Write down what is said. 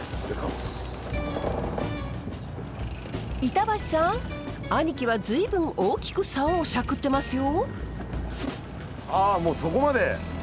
板橋さん兄貴は随分大きくサオをシャクってますよ？